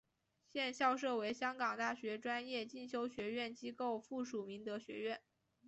现校舍为香港大学专业进修学院机构附属明德学院。